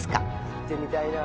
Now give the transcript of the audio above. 行ってみたいな。